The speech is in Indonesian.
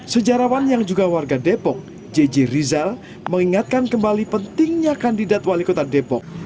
sejarawan yang juga warga depok jj rizal mengingatkan kembali pentingnya kandidat wali kota depok